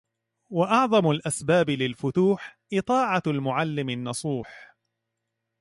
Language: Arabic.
وأعظم الأسباب للفُتوحِ إِطاعةُ المعلم النصوحِ